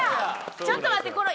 ちょっと待ってこの。